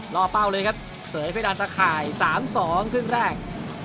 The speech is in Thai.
ล่อเป้าเลยครับเสยเฟย์อันตราข่าย๓๒ขึ้นแรก